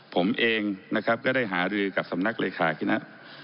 ผมเองนะครับก็ได้หารือกับสำนักเลขาคณะ